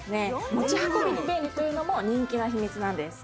持ち運びに便利というのも人気な秘密なんです